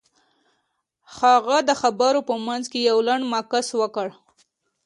هغې د خبرو په منځ کې يو لنډ مکث وکړ.